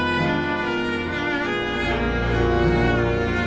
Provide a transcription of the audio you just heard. terima kasih udah nonton